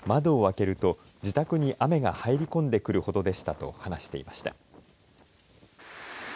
窓を開けると自宅に雨が入り込んでくるほどでしたと話していました。